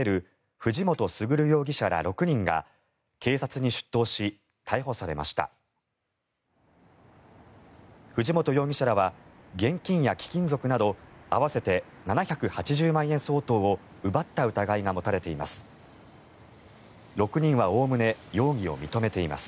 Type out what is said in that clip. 藤本容疑者らは現金や貴金属など合わせて７８０万円相当を奪った疑いが持たれています。